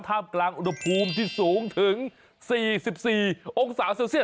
กลางอุณหภูมิที่สูงถึง๔๔องศาเซลเซียส